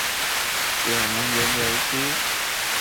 有能源危機